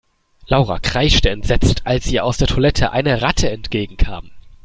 Laura kreischte entsetzt, als ihr aus der Toilette eine Ratte entgegenkam.